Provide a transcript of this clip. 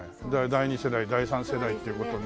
第２世代第３世代っていう事になって。